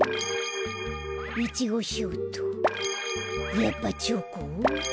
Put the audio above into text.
やっぱチョコ？